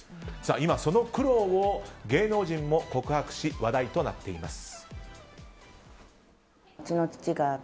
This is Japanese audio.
今その苦労を芸能人も告白し話題となっています。